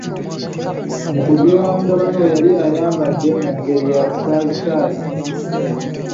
Mu kujja ewa mutabani we yali ayambadde mu ngeri ya kisaazisaazi.